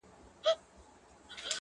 اوس عجيبه جهان كي ژوند كومه;